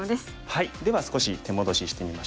では少し手戻ししてみましょうかね。